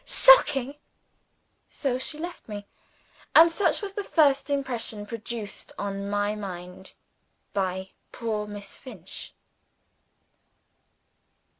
shocking!" So she left me. And such was the first impression produced on my mind by "Poor Miss Finch."